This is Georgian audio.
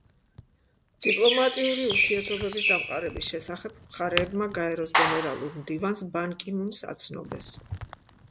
დიპლომატიური ურთიერთობების დამყარების შესახებ მხარეებმა გაერო-ს გენერალურ მდივანს ბან კი მუნს აცნობეს.